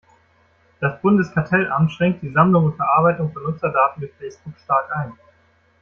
Das Bundeskartellamt schränkt die Sammlung und Verarbeitung von Nutzerdaten durch Facebook stark ein.